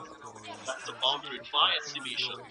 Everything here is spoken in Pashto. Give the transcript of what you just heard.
د وزن کمولو لاري کومي دي؟